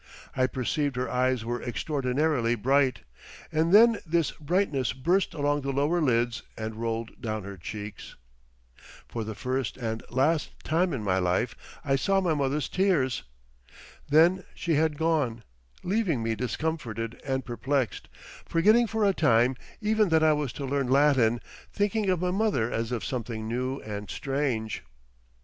I perceived her eyes were extraordinarily bright, and then this brightness burst along the lower lids and rolled down her cheeks. For the first and last time in my life I saw my mother's tears. Then she had gone, leaving me discomforted and perplexed, forgetting for a time even that I was to learn Latin, thinking of my mother as of something new and strange.